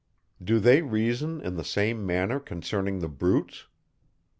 Do they reason in the same manner concerning the brutes?